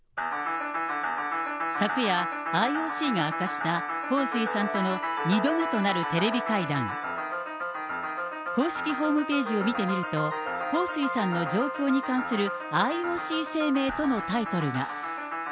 昨夜、ＩＯＣが明かした、彭帥さんとの２度目となるテレビ会談。公式ホームページを見てみると、彭帥さんの状況に関するＩＯＣ声明とのタイトルが。